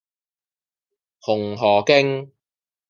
紅荷徑